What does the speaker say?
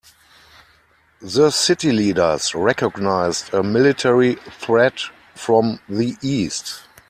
The city leaders recognized a military threat from the east.